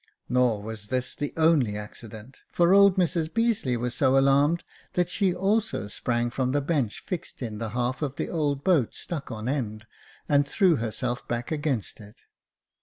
Nor was this the only accident, for old Mrs Beazeley was so alarmed that she also sprang from the bench fixed in the half of the old boat stuck on end, and threw herself back against it.